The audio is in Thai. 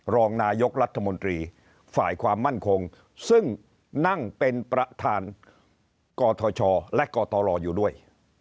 รองนายกรัฐมนตรีฝ่ายความมั่นคงซึ่งนั่งเป็นประธานกทชและกตรอยู่ด้วย